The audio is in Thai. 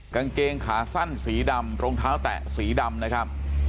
กางเกงขาสั้นสีดำรองเท้าแตะสีดำนะครับ